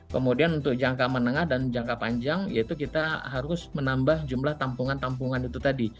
kemudian untuk jangka menengah dan jangka panjang yaitu kita harus menambah jumlah tampungan tampungan itu tadi